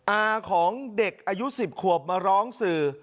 อาของเด็กอายุ๑๐ขวบมาร้องสื่อ